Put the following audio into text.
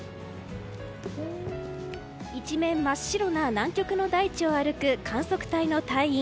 一面真っ白な南極の大地を歩く観測隊の隊員。